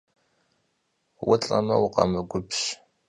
Vulh'me vukhemgubj!